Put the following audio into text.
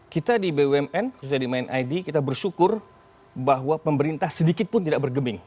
kita di bumn khususnya di mind id kita bersyukur bahwa pemerintah sedikit pun tidak bergeming